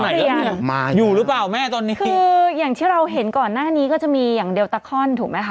หรือยังมาอยู่หรือเปล่าแม่ตอนนี้คืออย่างที่เราเห็นก่อนหน้านี้ก็จะมีอย่างเดลตาคอนถูกไหมคะ